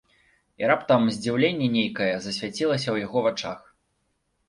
І раптам здзіўленне нейкае засвяцілася ў яго вачах.